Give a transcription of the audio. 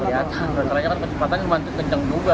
ternyata kerjaan kan kecepatannya cuman kencang juga